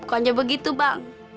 bukannya begitu bang